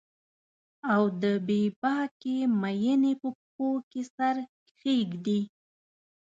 او د بې باکې میینې په پښو کې سر کښیږدي